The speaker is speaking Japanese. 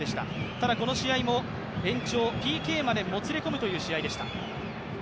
ただこの試合も、延長、ＰＫまでもつれ込むという試合でした。